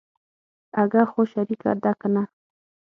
اگه خو شريکه ده کنه.